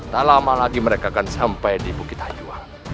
tak lama lagi mereka akan sampai di bukit hayuah